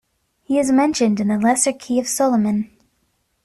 He is mentioned in The Lesser Key of Solomon.